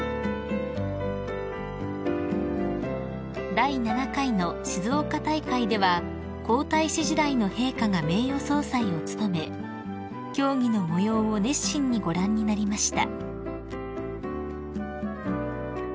［第７回の静岡大会では皇太子時代の陛下が名誉総裁を務め競技の模様を熱心にご覧になりました］